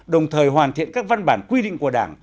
đồng thời hoàn thiện các văn bản quy định của đảng